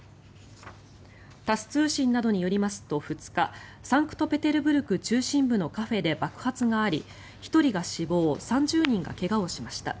タス通信などによりますと２日サンクトペテルブルク中心部のカフェで爆発があり１人が死亡３０人が怪我をしました。